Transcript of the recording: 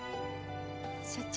社長。